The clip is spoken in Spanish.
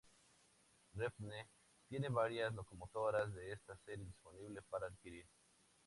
Renfe tiene varias locomotoras de esta serie disponibles para alquiler.